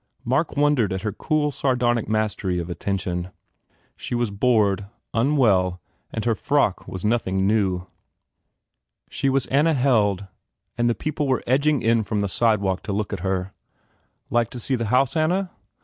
Mark wondered at her cool, sardonic mastery of attention. She was bored, unwell and her frock was nothing new. She was Anna Held and the people were edging in from the sidewalk to look at her. "Like to see the house, Anna?"